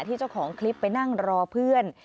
เจ้าของคลิปไปนั่งรอเพื่อน